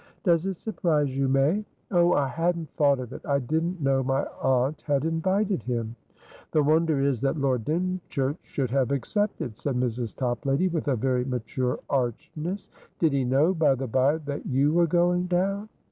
"Does it surprise you, May?" "Oh, I hadn't thought of itI didn't know my aunt had invited him" "The wonder is that Lord Dymchurch should have accepted," said Mrs. Toplady, with a very mature archness. "Did he know, by the bye, that you were going down?"